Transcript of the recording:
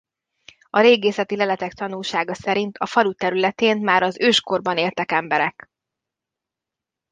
A régészeti leletek tanúsága szerint a falu területén már az őskorban éltek emberek.